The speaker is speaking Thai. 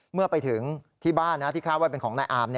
เมื่อไปถึงที่บ้านที่คาดว่าเป็นของนายอาม